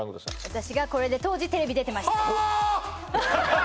私がこれで当時テレビ出てましたはーっ！